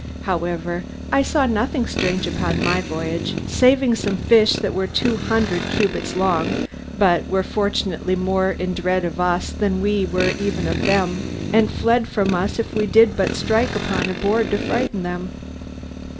However, I saw nothing strange upon my voyage, saving some fish that were full two hundred cubits long, but were fortunately more in dread of us than even we were of them, and fled from us if we did but strike upon a board to frighten them.